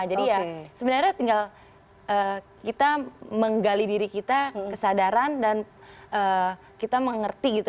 jadi ya sebenarnya tinggal kita menggali diri kita kesadaran dan kita mengerti gitu